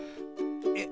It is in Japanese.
えっ